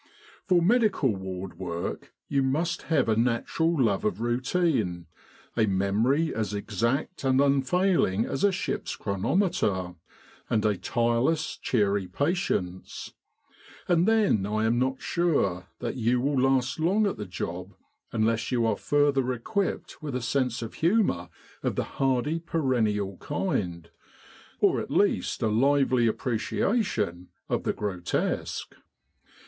For medical ward work you must have a natural love of routine, a memory as exact and unfailing as a ship's chronometer, and a tireless, cheery patience ; and then I am not sure that you will last long at the job unless you are further equipped with a sense of humour of the hardy perennial kind, or at least a lively appreciation of the grotesque.